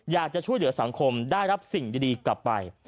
อยากจะช่วยเหลือสังคมได้รับสิ่งดีกลับไป